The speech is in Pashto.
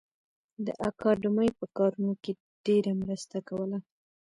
د اکاډمۍ په کارونو کې ډېره مرسته کوله